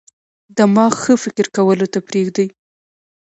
دماغ ښه فکر کولو ته پریږدي.